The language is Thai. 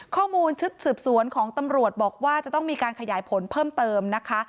ข้อมูลชุดสืบสวนของตำรวจบอกว่าจะต้องมีการขยายผลเพิ่มเติมนะคะ